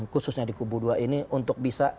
khususnya di kubu dua ini untuk bisa